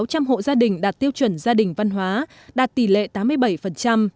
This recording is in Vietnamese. sáu mươi năm sáu trăm linh hộ gia đình đạt tiêu chuẩn gia đình văn hóa đạt tỷ lệ tám mươi bảy